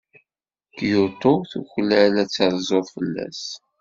Kyoto tuklal ad terzuḍ fell-as.